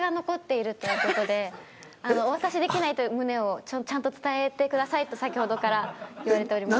お渡しできないという旨をちゃんと伝えてくださいと先ほどから言われております。